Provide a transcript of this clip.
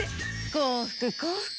幸福、幸福！